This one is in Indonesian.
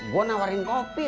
loh apa ini